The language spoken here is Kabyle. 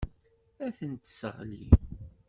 Ad tent-tesseɣli.